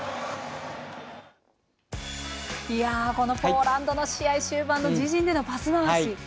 このポーランドの試合終盤での自陣でのパス回し。